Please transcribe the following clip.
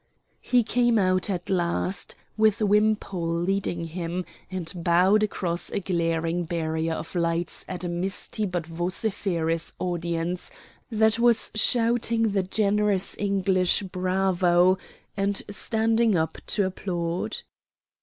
He came out at last, with Wimpole leading him, and bowed across a glaring barrier of lights at a misty but vociferous audience that was shouting the generous English bravo! and standing up to applaud.